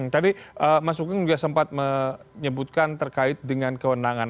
tadi mas uking juga sempat menyebutkan terkait dengan kewenangan